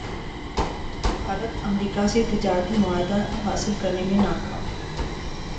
بھارت امریکا سے تجارتی معاہدہ حاصل کرنے میں ناکام